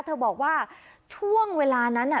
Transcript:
บอกว่าช่วงเวลานั้นน่ะ